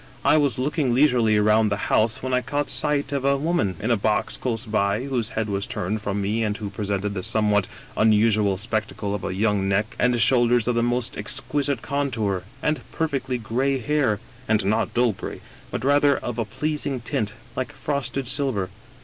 I was look ing leisurely round the house when I caught sight of a woman, in a box close by, whose head was turned from me, and who presented the somewhat unusual spectacle of a young neck and shoulders of the most exquisite coptour — ^and perfectly gray hair ; and not dull gray, but rather of a pleasing tint like frosted silver.